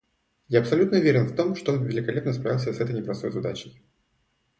Я абсолютно уверен в том, что он великолепно справится с этой непростой задачей.